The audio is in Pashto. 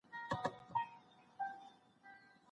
مثبت معلومات د فکرونو د سمون سبب کېږي.